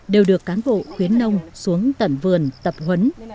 đều được cán bộ khuyến nông xuống tận vườn tập huấn